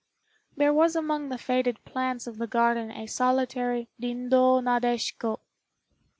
There was among the faded plants of the garden a solitary Rindô nadeshko.